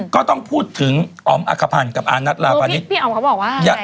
ก็ต้องพูดถึงอ๋อมอักภัณฑ์กับอานัทราภานิษฐ์